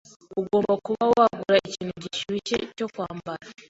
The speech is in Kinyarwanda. Ugomba kuba wagura ikintu gishyushye cyo kwambara.